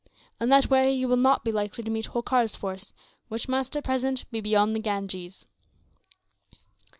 In that way you will not be likely to meet Holkar's force; which must, at present, be beyond the Ganges."